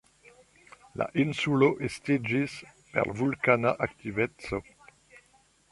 La insulo estiĝis per vulkana aktiveco.